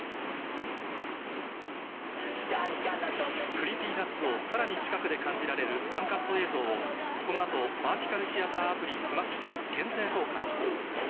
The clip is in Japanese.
ＣｒｅｅｐｙＮｕｔｓ をさらに近くで感じられる ＵＮＣＵＴ 映像をこの後バーティカルシアターアプリ ｓｍａｓｈ． で限定公開